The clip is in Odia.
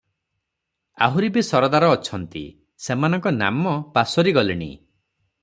ଆହୁରି ବି ସରଦାର ଅଛନ୍ତି, ସେମାନଙ୍କ ନାମ ପାସୋରି ଗଲିଣି ।